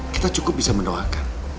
kita cukup bisa mendoakan